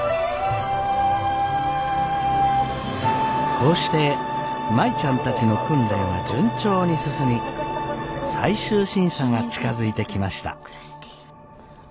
こうして舞ちゃんたちの訓練は順調に進み最終審査が近づいてきました。